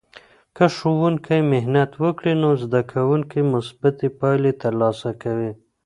که ښوونکی محنت وکړي، نو زده کوونکې مثبتې پایلې ترلاسه کوي.